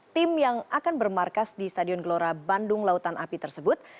tim yang akan bermarkas di stadion gelora bandung lautan api tersebut